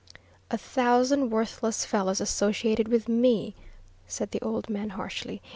"A thousand worthless fellows associated with me," said the old man, harshly.